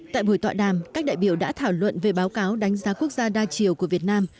tại buổi tọa đàm các đại biểu đã thảo luận về báo cáo đánh giá quốc gia đa chiều của việt nam